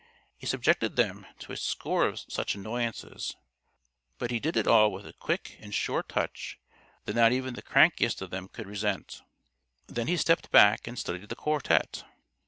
He subjected them to a score of such annoyances, but he did it all with a quick and sure touch that not even the crankiest of them could resent. Then he stepped back and studied the quartet.